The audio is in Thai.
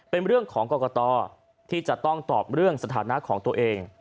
เป็นเรื่องของกรกตที่จะต้องตอบเรื่องสถานะของตัวเอง